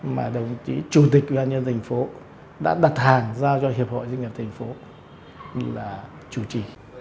mà đồng chí chủ tịch ubnd tp hcm đã đặt hàng giao cho hiệp hội doanh nghiệp tp hcm như là chủ trì